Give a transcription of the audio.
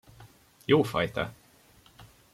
Jó fajta!